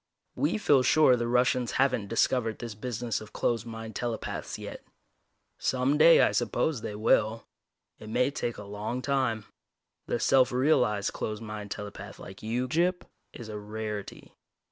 We feel sure the Russians haven't discovered this business of closed mind telepaths yet. Some day, I suppose, they will. It may take a long time. The self realized closed mind telepath like you, Gyp, is a rarity.